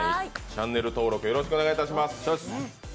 チャンネル登録をよろしくお願いします。